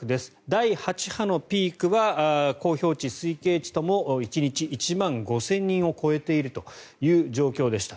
第８波のピークは公表値、推計値とも１日１万５０００人を超えているという状況でした。